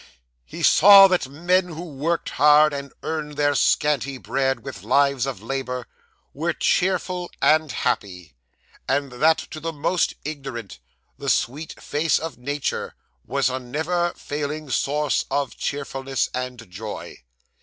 He saw that men who worked hard, and earned their scanty bread with lives of labour, were cheerful and happy; and that to the most ignorant, the sweet face of Nature was a never failing source of cheerfulness and joy.